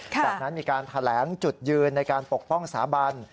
จากนั้นมีการแถลงจุดยืนในการปกป้องสถาบัน